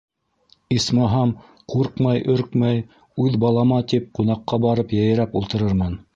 Исмаһам, ҡурҡмай-өркмәй үҙ балама тип, ҡунаҡҡа барып йәйрәп ултырырмын.